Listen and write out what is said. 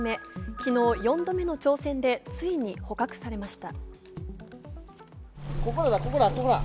昨日４度目の挑戦でついに捕獲されました。